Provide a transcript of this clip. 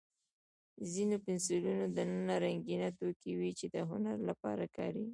د ځینو پنسلونو دننه رنګینه توکي وي، چې د هنر لپاره کارېږي.